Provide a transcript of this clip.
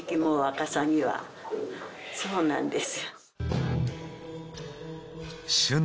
そうなんです。